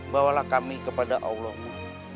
bawalah kami kepada allah mu